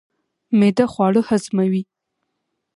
معده خواړه هضموي